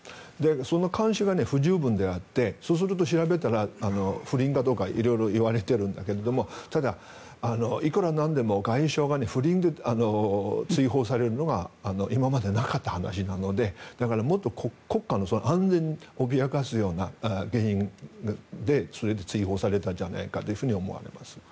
その監視が不十分であってそうすると、調べたら不倫かどうか色々言われてるんだけどただ、いくらなんでも外相が不倫で追放されるのは今までなかった話なのでだから、もっと国家の安全を脅かすような原因でそれで追放されたんじゃないかと思われます。